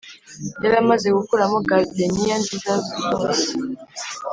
yari amaze gukuramo gardeniya nziza zose